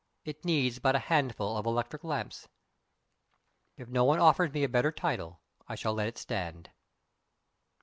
It needs but a handful of electric lamps. If no one offers me a better title I shall let it stand.